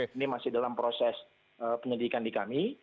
jadi itu sudah di dalam proses penyelidikan di kami